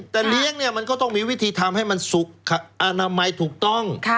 แต่เลี้ยงเนี่ยมันก็ต้องมีวิธีทำให้มันสุขอนามัยถูกต้อง